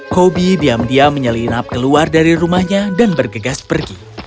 kobi diam diam menyelinap keluar dari rumahnya dan bergegas pergi